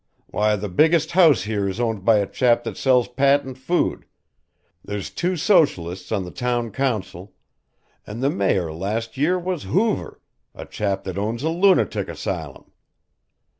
Why the biggest house here is owned by a chap that sells patent food, there's two socialists on the town council, and the Mayor last year was Hoover, a chap that owns a lunatic 'sylum.